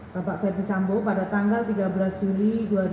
bapak verdi sambo pada tanggal tiga belas juli dua ribu dua puluh